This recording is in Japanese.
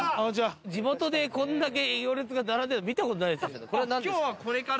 地元でこんだけ行列が並んでるの見たことないんですけどこれ何ですか？